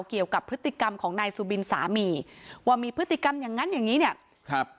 เกี่ยวกับพฤติกรรมของนายสุบินสามีว่ามีพฤติกรรมอย่างงั้นอย่างงี้เนี่ยครับ